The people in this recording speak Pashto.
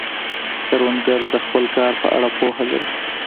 کروندګر د خپل کار په اړه پوهه لري